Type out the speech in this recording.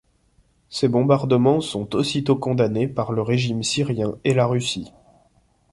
Ces bombardements sont aussitôt condamnés par le régime syrien et la Russie.